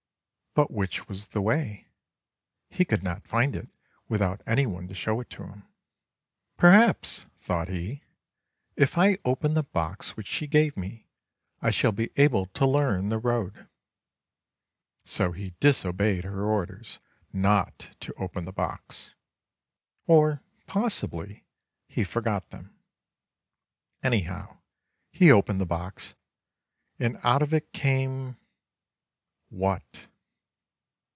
But which was the way? He could not find it without any one to show it to him. "Perhaps," thought he, "if I open the box which she gave me I shall be able to learn the road." So he disobeyed her orders not to open the box — or, possibly, he forgot them. Anyhow, he opened the box, and out of it came — what?